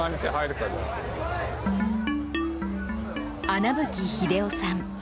穴吹英雄さん。